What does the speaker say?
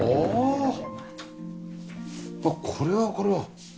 あっこれはこれは。